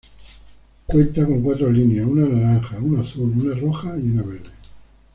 Cuenta con cuatro líneas, una naranja, una azul, una roja y una verde.